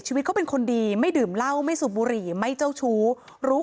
ชีวิตเขาเป็นคนดีไม่ดื่มเหล้าไม่สูบบุหรี่ไม่เจ้าชู้รู้